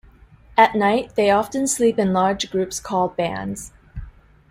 At night, they often sleep in large groups called bands.